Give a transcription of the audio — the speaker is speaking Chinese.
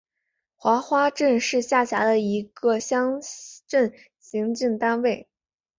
黄花镇是下辖的一个乡镇级行政单位。